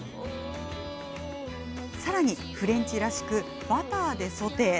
さらに、フレンチらしくバターでソテー。